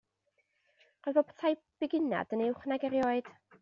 Roedd fel petai'n bugunad yn uwch nag erioed.